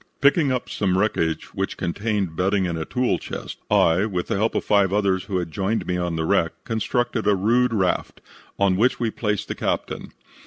"Picking up some wreckage which contained bedding and a tool chest, I, with the help of five others who had joined me on the wreck, constructed a rude raft, on which we placed the captain.